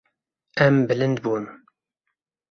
Em bilind bûn.